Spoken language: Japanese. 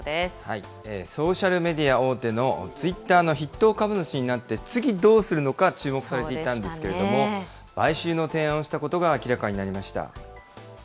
ソーシャルメディア大手のツイッターの筆頭株主になって、次、どうするのか注目されていたんですけれども、買収の提案をしたことが明らかになりました。